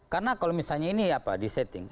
karena kalau misalnya ini disetting